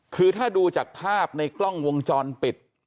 คือถ้าดูจากภาพในกล้องวงจรปิด